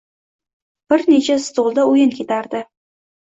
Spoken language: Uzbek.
Bir necha stolda o`yin ketardi